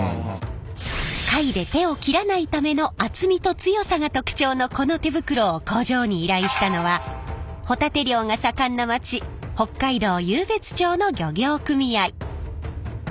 貝で手を切らないための厚みと強さが特徴のこの手袋を工場に依頼したのはホタテ漁が盛んな街北海道湧別町の漁業組合。